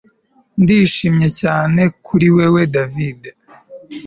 Ndishimye cyane kuri wewe David